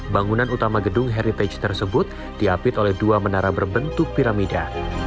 bangunan utama gedung heritage tersebut diapit oleh dua menara berbentuk piramida